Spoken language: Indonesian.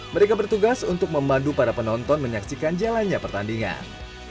mereka bertugas untuk memadu para penonton menyaksikan jalannya pertandingan